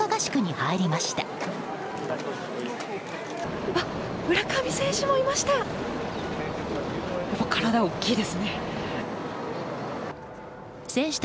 あ、村上選手もいました！